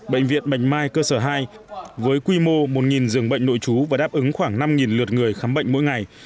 bệnh viện bạch mai cơ sở hai với quy mô một giường bệnh nội trú và đáp ứng khoảng năm lượt người khám bệnh mỗi ngày